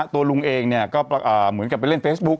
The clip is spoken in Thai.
ตัวลุงเองก็เหมือนกับไปเล่นเฟซบุ๊ค